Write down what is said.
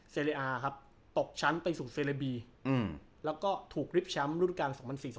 เซรียร์อะครับตกชั้นไปสู่เซรบีแล้วก็ถูกลิฟท์แชมป์รูดการ๒๐๐๔๒๐๐๕